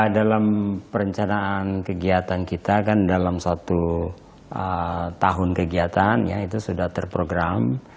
dalam perencanaan kegiatan kita kan dalam satu tahun kegiatan ya itu sudah terprogram